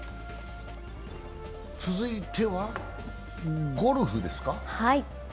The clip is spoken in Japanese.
続いてはゴルフですか？